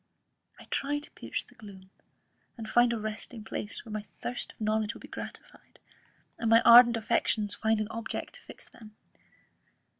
I try to pierce the gloom, and find a resting place, where my thirst of knowledge will be gratified, and my ardent affections find an object to fix them.